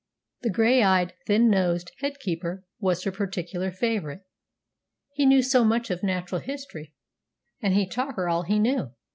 The grey eyed, thin nosed head keeper was her particular favourite. He knew so much of natural history, and he taught her all he knew.